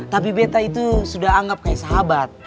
tapi beta itu sudah anggap kayak sahabat